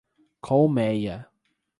Colméia